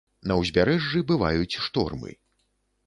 На ўзбярэжжы бываюць штормы.